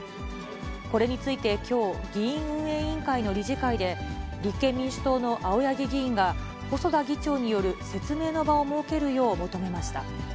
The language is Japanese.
これについてきょう、議院運営委員会の理事会で、立憲民主党の青柳議員が、細田議長による説明の場を設けるよう求めました。